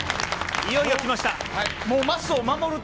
いよいよきました。